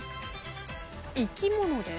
生き物です。